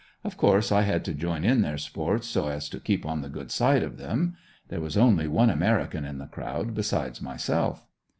Of course I had to join in their sports, so as to keep on the good side of them. There was only one American in the crowd, besides myself.